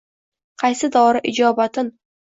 Qaysi dori ijobatin.